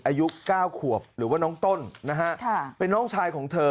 อายุ๙ขวบหรือว่าน้องต้นนะฮะเป็นน้องชายของเธอ